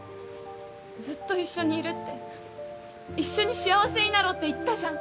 ずっと一緒にいるって一緒に幸せになろうって言ったじゃん。